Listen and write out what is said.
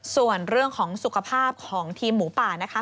ส่วนเรื่องของสุขภาพของทีมหมูป่านะคะ